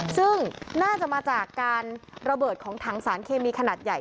ซึ่งน่าจะมาจากการระเบิดของถังสารเคมีขนาดใหญ่